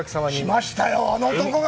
来ましたよ、あの男が。